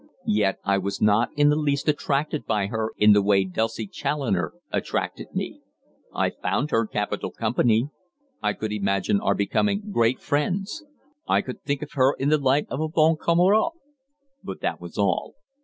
Yet I was not in the least attracted by her in the way Dulcie Challoner attracted me. I found her capital company; I could imagine our becoming great friends; I could think of her in the light of a bonne camarade. But that was all.